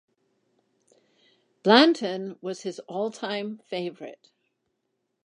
Blanton was his all-time favorite.